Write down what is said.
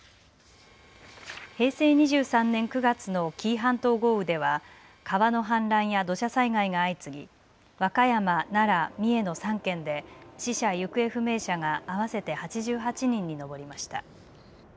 平成２３年９月の紀伊半島豪雨では川の氾濫や土砂災害が相次ぎ和歌山、奈良、三重の３県で死者、行方不明者が合わせて８８人に上りました。